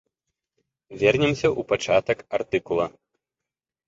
Вернемся ў пачатак артыкула.